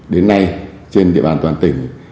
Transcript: đến nay trên địa bàn toàn tỉnh